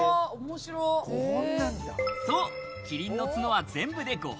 そう、キリンの角は全部で５本。